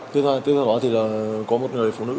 tiếp theo đó thì có một người phụ nữ